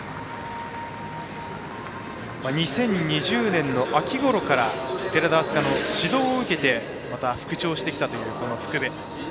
２０２０年の秋ごろから寺田明日香の指導を受けてまた復調してきたというこの福部。